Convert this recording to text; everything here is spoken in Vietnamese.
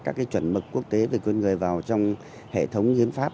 các cái chuẩn mực quốc tế về quyền người vào trong hệ thống hiến pháp